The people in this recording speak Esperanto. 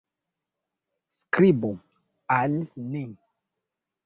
Skribu al ni.